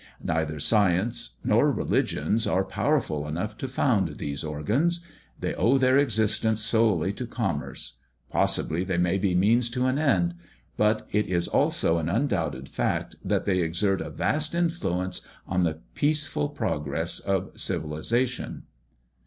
Neither sciences nor religions are powerful enough to found those organs. They owe their existence solely to commerce: possibly they may be means to an end; but it is also an undoubted fact that they exert a vast influence on the peaceful progress of civilisation.